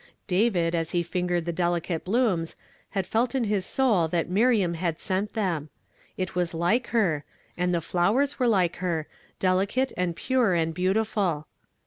David, as ho lin gered the delicate hloonis, had felt in his soul that .Miriam had sent them; it was lik(5 her, and tlio flowers were like her, d(«lieate and i)nre and faithful.